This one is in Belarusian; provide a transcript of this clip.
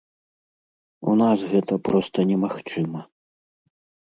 У нас гэта проста немагчыма.